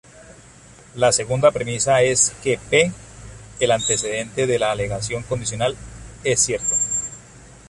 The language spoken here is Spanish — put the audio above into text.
La segunda premisa es que P, el antecedente de la alegación condicional, es cierto.